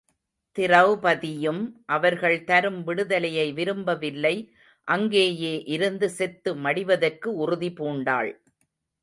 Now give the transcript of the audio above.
திரெளபதியும் அவர்கள் தரும் விடுதலையை விரும்ப வில்லை அங்கேயே இருந்து செத்து மடிவதற்கு உறுதி பூண்டாள்.